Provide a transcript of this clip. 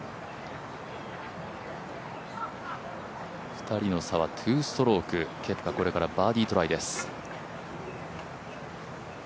２人の差は２ストローク、ケプカこれからバーディートライです。